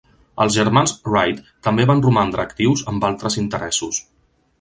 Els germans Wright també van romandre actius amb altres interessos.